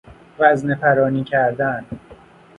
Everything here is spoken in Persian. وزنه پرانی کردن